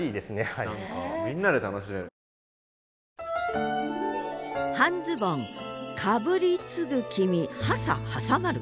みんなで楽しめる。